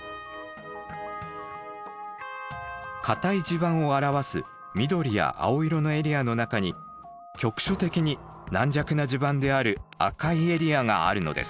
固い地盤を表す緑や青色のエリアの中に局所的に軟弱な地盤である赤いエリアがあるのです。